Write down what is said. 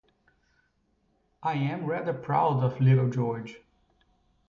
I am rather proud of little George.